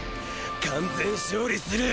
完全勝利する！